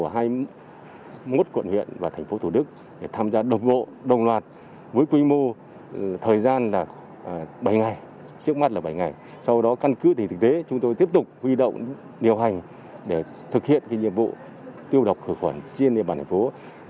hiện là nhiệm vụ tiêu độc khuẩn triên địa bàn tp hcm